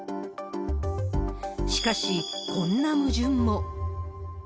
しかし、こんな矛盾も。